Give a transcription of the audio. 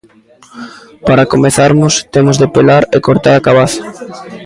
Para comezarmos, temos de pelar e cortar a cabaza.